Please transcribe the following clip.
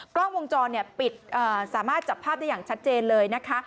กล้องวงจรปิดสามารถจับภาพได้อย่างชัดเจนเลยนะคะ